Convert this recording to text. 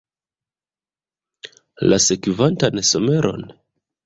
La sekvantan someron?